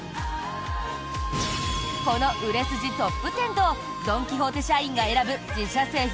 この売れ筋トップ１０とドン・キホーテ社員が選ぶ自社製品